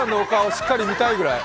しっかり見たいぐらい。